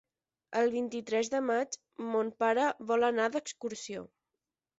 El vint-i-tres de maig mon pare vol anar d'excursió.